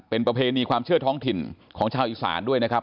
เป็นประเพณีความเชื่อท้องถิ่นของชาวอีสานด้วยนะครับ